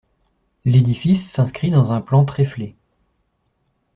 L'édifice s'inscrit dans un plan tréflé.